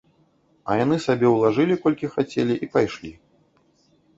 А яны сабе ўлажылі колькі хацелі і пайшлі.